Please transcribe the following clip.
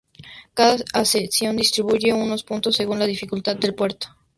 Cada ascensión distribuye unos puntos según la dificultad del puerto.